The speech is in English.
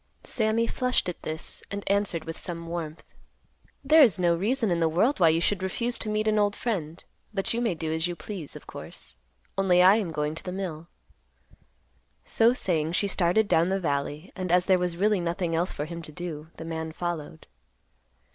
Sammy flushed at this, and answered with some warmth, "There is no reason in the world why you should refuse to meet an old friend; but you may do as you please, of course. Only I am going to the mill." So saying, she started down the valley, and as there was really nothing else for him to do, the man followed.